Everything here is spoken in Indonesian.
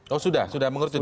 oh sudah sudah mengerucut